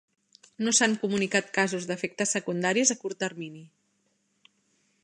No s'han comunicat casos de efectes secundaris a curt termini.